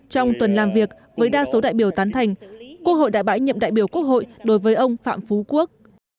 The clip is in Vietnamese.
trong tuần làm việc với đa số đại biểu tán thành quốc hội đã bãi nhiệm đại biểu quốc hội đối với ông phạm phú quốc